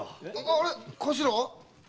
あれ頭は？